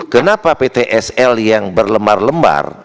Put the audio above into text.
kenapa ptsl yang berlembab